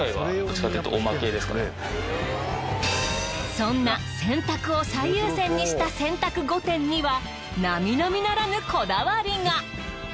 そんな洗濯を最優先にした洗濯御殿にはなみなみならぬこだわりが。